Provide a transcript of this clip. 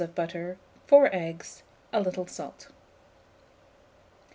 of butter, 4 eggs, a little salt.